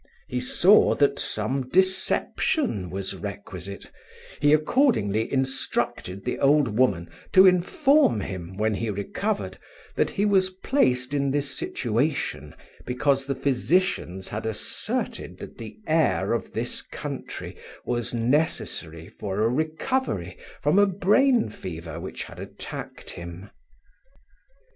He saw that some deception was requisite; he accordingly instructed the old woman to inform him, when he recovered, that he was placed in this situation, because the physicians had asserted that the air of this country was necessary for a recovery from a brain fever which had attacked him.